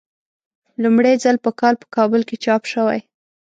لومړی ځل په کال په کابل کې چاپ شوی.